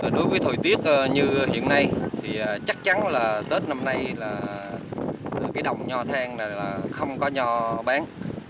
đối với thời tiết như hiện nay thì chắc chắn là tết năm nay là cái đồng nho thang này là không có nho bán